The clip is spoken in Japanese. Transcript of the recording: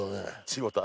違うた。